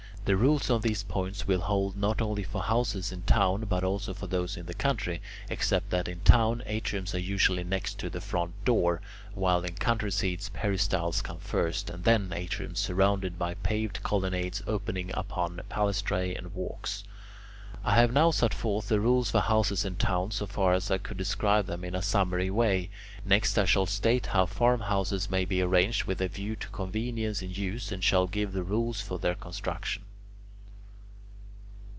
The rules on these points will hold not only for houses in town, but also for those in the country, except that in town atriums are usually next to the front door, while in country seats peristyles come first, and then atriums surrounded by paved colonnades opening upon palaestrae and walks. I have now set forth the rules for houses in town so far as I could describe them in a summary way. Next I shall state how farmhouses may be arranged with a view to convenience in use, and shall give the rules for their construction.